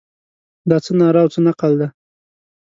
دا څه ناره او څه نقل دی.